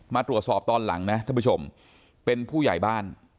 มาตรวจสอบตอนหลังนะท่านผู้ชมเป็นผู้ใหญ่บ้าน